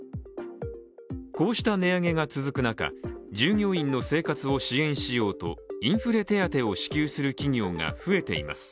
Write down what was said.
こうした値上げが続く中、従業員の生活を支援しようとインフレ手当を支給する企業が増えています。